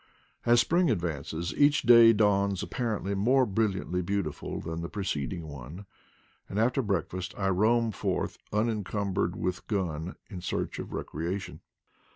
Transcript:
As spring advances each day dawns apparently more brilliantly beautiful than the preceding one, and after breakfast I roam forth, unencumbered with gun, in search of recreation.